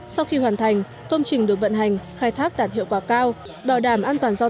sau khi hoàn thành công trình được vận hành khai thác đạt hiệu quả cao bảo đảm an toàn giao